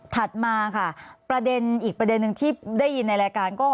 ถัดมาค่ะประเด็นอีกประเด็นหนึ่งที่ได้ยินในรายการก็